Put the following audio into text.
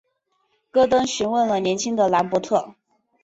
戈登询问了年轻的兰伯特。